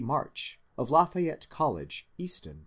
March of Lafayette College, Easton, Pa.